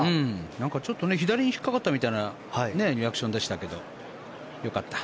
なんかちょっと左に引っかかったみたいなリアクションでしたがよかった。